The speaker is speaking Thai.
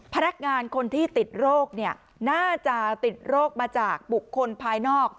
พนักงานคนที่ติดโรคน่าจะติดโรคมาจากบุคคลภายนอก